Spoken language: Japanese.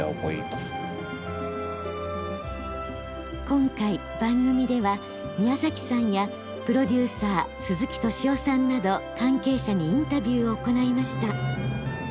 今回番組では宮崎さんやプロデューサー鈴木敏夫さんなど関係者にインタビューを行いました。